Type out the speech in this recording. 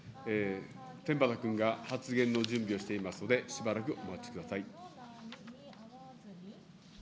天畠君が発言の準備をしていますので、しばらくお待ちください。